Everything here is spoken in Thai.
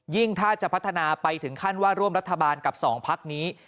ถ้าจะพัฒนาไปถึงขั้นว่าร่วมรัฐบาลกับ๒พักนี้